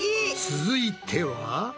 続いては。